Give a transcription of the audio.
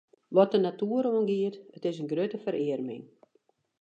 Wat de natoer oangiet, is it in grutte ferearming.